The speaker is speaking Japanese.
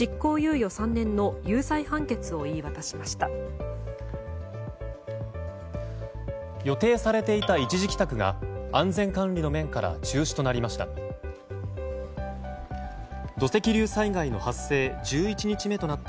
予定されていた一時帰宅が安全管理の面から中止となりました。